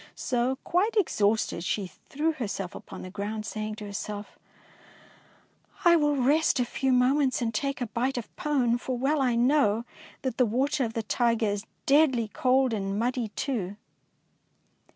So, quite exhausted, she threw herself upon the ground, saying to herself, I will rest a few moments and take a bite of pone, for well I know that the water of the Tyger is deadly cold and muddy too.